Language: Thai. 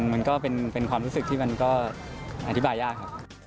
มันก็เป็นความรู้สึกที่มันก็อธิบายยากครับ